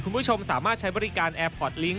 คุณผู้ชมสามารถใช้บริการแอร์พอร์ตลิงค